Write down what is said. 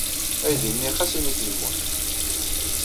Aydi-nni ɣas init yemmut.